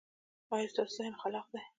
ایا ستاسو ذهن خلاق دی؟